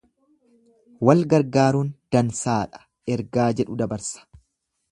Wal gargaaruun dansaadha ergaa jedhu dabarsa.